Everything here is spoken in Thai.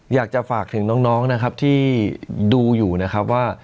อยากจะฝากถึงน้องนะครับที่ดูอยู่นะครับว่า